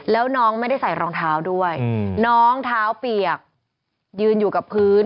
แล้วน้องไม่ได้ใส่รองเท้าด้วยน้องเท้าเปียกยืนอยู่กับพื้น